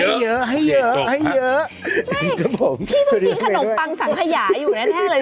ให้เยอะให้เยอะให้เยอะครับผมกินขนมปังสังขยาอยู่แน่แน่เลย